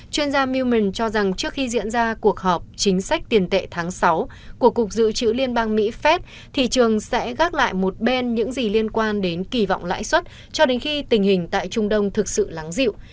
chuyên gia mealand cho rằng trước khi diễn ra cuộc họp chính sách tiền tệ tháng sáu của cục dự trữ liên bang mỹ phép thị trường sẽ gác lại một bên những gì liên quan đến kỳ vọng lãi suất cho đến khi tình hình tại trung đông thực sự lắng dịu